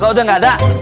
kau udah gak ada